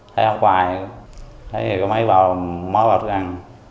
thấy không quài thấy có mấy bao mớ bạc thức ăn